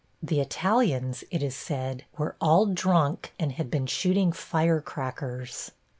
The Italians, it is said, were all drunk, and had been shooting firecrackers.